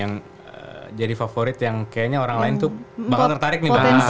yang jadi favorit yang kayaknya orang lain tuh bakal tertarik nih